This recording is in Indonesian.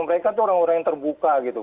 mereka tuh orang orang yang terbuka gitu